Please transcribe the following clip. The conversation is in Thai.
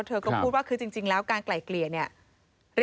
เราคิดว่าเราจึงจะสามารถใช้ชีวิตได้ต่อไป